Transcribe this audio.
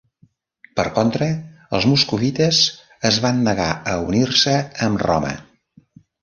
Per contra, els moscovites es van negar a unir-se amb Roma.